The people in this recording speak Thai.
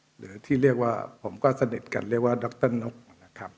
หรือที่เรียกว่าผมก็สนิทกันเรียกว่าดรนกนะครับ